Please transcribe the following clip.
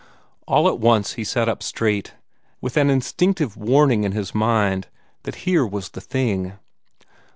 All at once he sat up straight, with an instinctive warning in his mind that here was the thing.